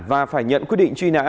và phải nhận quyết định truy nã